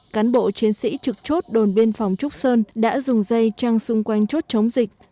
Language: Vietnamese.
cán bộ chiến sĩ trực chốt đồn biên phòng trúc sơn đã dùng dây trăng xung quanh chốt chống dịch